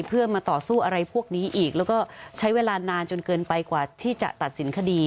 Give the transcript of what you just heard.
เพื่อมาต่อสู้อะไรพวกนี้อีกแล้วก็ใช้เวลานานจนเกินไปกว่าที่จะตัดสินคดี